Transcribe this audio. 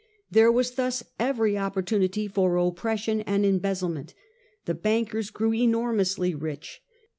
There was thus every opportunity for oppression and embezzlement The bankers grew enor mously rich.